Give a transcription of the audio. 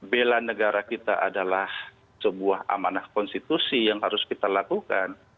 bela negara kita adalah sebuah amanah konstitusi yang harus kita lakukan